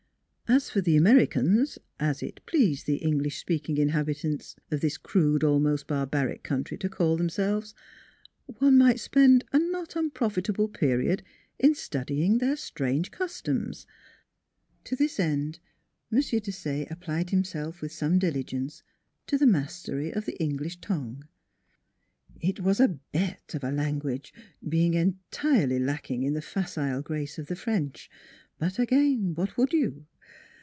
As for the Americans as it pleased the English speaking inhabitants of this crude, almost barbaric country to call themselves one might spend a not unprofitable period in studying their NEIGHBORS 131 strange customs. To this end M. Desaye ap plied himself with some diligence to the mastery of the English tongue. It was a bete of a language, being entirely lack ing in the facile grace of the French; but again, what would you